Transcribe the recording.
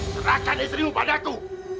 serahkan istrimu padaku